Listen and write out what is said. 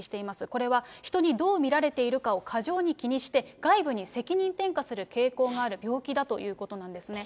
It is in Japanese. これは人にどう見られているかを過剰に気にして、外部に責任転嫁する傾向がある病気だということなんですね。